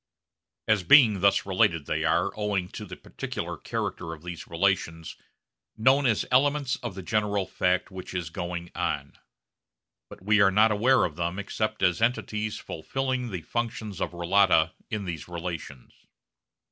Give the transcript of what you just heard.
As being thus related, they are owing to the particular character of these relations known as elements of the general fact which is going on. But we are not aware of them except as entities fulfilling the functions of relata in these relations.